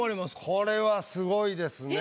これはすごいですね。